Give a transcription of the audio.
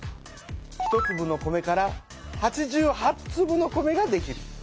１つぶの米から８８つぶの米ができる。